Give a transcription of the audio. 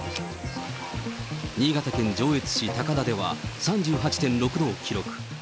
新潟県上越市高田では、３８．６度を記録。